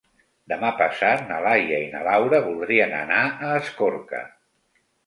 Demà passat na Laia i na Laura voldrien anar a Escorca.